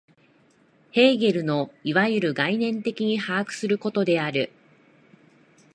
ヘーゲルのいわゆる概念的に把握することである。